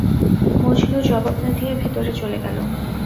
মজনু জবাব না-দিয়ে ভেতরে চলে গেল।